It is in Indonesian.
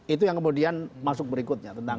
itu yang kemudian masuk berikutnya